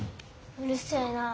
うるせえなあ。